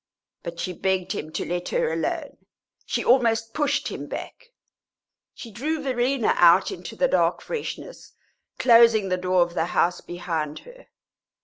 But she begged him to let her alone, she almost pushed him back; she drew Verena out into the dark freshness, closing the door of the house behind her.